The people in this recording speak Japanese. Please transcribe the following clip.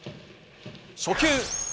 初球。